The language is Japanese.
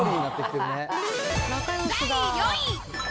第４位。